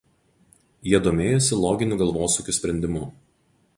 Jie domėjosi loginių galvosūkių sprendimu.